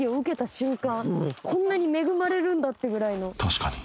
［確かに］